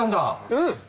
うん！